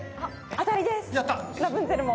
当たりです！